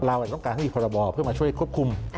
เราต้องการให้ผลบ่อเพื่อมาช่วยควบคุม